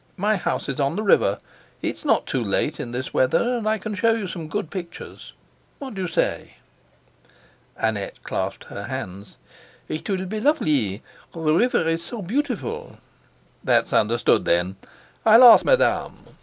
My house is on the river, it's not too late in this weather; and I can show you some good pictures. What do you say?" Annette clasped her hands. "It will be lovelee. The river is so beautiful" "That's understood, then. I'll ask Madame."